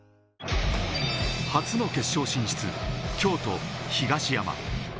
初の決勝進出、京都・東山。